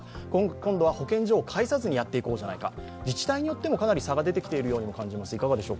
今度は保健所を介さずにやっていこうじゃないか、自治体によってもかなり差が出ているようにも感じます。